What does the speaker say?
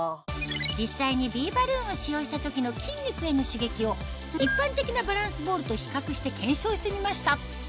実際にビーバルーンを使用した時の筋肉への刺激を一般的なバランスボールと比較して検証してみました